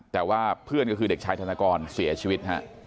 แต่ว่าเพื่อนก็คือเด็กชายธนกรเสียชีวิตฮะ